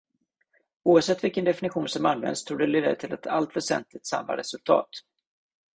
Oavsett vilken definition som används, torde det leda till i allt väsentligt samma resultat.